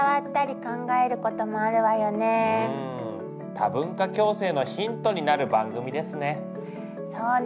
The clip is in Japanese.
多文化共生のヒントになる番組ですね。